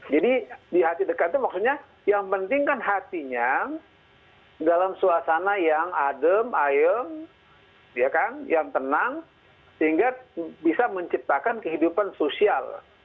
jadi di hati dekat itu maksudnya yang pentingkan hatinya dalam suasana yang adem ayem ya kan yang tenang sehingga bisa menciptakan kehidupan sosial